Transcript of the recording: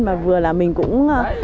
mà vừa là mình cũng